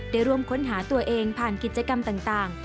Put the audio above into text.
ได้ร่วมค้นหาตัวเองผ่านกิจกรรมต่าง